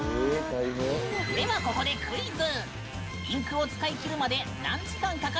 では、ここでクイズ！